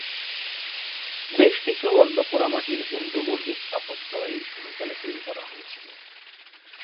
বেশ কিছু অনন্য পোড়ামাটির হিন্দু মন্দির স্থাপত্য এই সময়কালে তৈরি করা হয়েছিল।